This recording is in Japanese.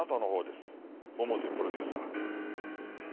百瀬プロデューサー。